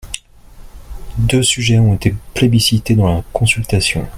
Deux sujets ont été plébiscités dans la consultation.